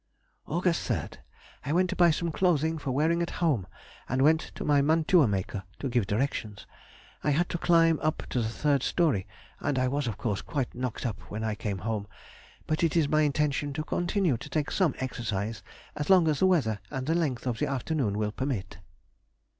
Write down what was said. Aug. 3rd.—I went to buy some clothing for wearing at home, and went to my mantua maker to give directions. I had to climb up to the third story, and I was of course quite knocked up when I came home, but it is my intention to continue to take some exercise as long as the weather and the length of the afternoon will permit.